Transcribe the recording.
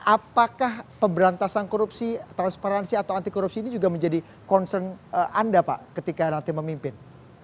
apakah pemberantasan korupsi transparansi atau anti korupsi ini juga menjadi concern anda pak ketika nanti memimpin